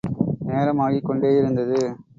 நேரம் ஆகிக் கொண்டேயிருந்தது.